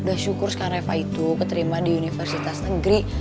udah syukur sekarang eva itu keterima di universitas negeri